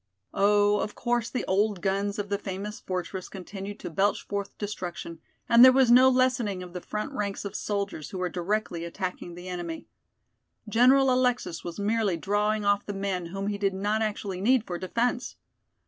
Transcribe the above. Oh, of course the old guns of the famous fortress continued to belch forth destruction, and there was no lessening of the front ranks of soldiers, who were directly attacking the enemy. General Alexis was merely drawing off the men whom he did not actually need for defense.